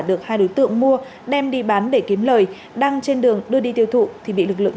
được hai đối tượng mua đem đi bán để kiếm lời đang trên đường đưa đi tiêu thụ thì bị lực lượng